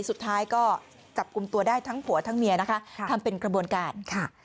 สุดท้ายก็จับกลุ่มตัวได้ทั้งผัวทั้งเมียนะคะทำเป็นกระบวนการค่ะ